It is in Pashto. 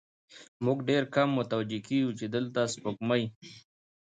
موږ ډېر کم متوجه کېږو، چې دلته سپوږمۍ